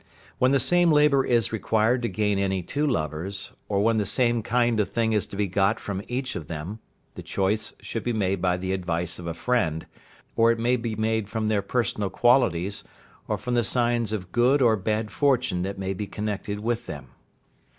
When the same labour is required to gain any two lovers, or when the same kind of thing is to be got from each of them, the choice should be made by the advice of a friend, or it may be made from their personal qualities, or from the signs of good or bad fortune that may be connected with them.